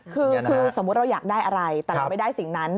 คือสมมุติเราอยากได้อะไรแต่เราไม่ได้สิ่งนั้น